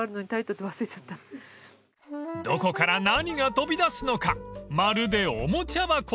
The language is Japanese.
［どこから何が飛び出すのかまるでおもちゃ箱］